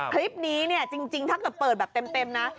คลิปนี้เนี่ยจริงถ้าเกิดเปิดแบบเต็มนะ